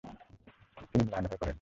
তিনি ম্লান হয়ে পড়েন।